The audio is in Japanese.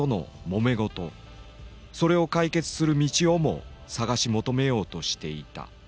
それを解決する道をも探し求めようとしていた。